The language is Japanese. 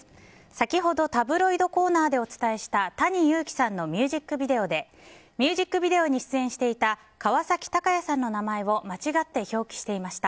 先ほどタブロイドコーナーでお伝えしたＴａｎｉＹｕｕｋｉさんのミュージックビデオでミュージックビデオに出演していた川崎鷹也さんの名前を間違って表記していました。